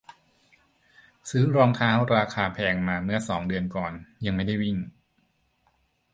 ซื้อรองเท้าราคาแพงมาเมื่อสองเดือนก่อน ยังไม่ได้วิ่ง